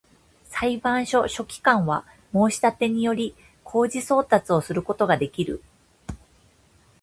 裁判所書記官は、申立てにより、公示送達をすることができる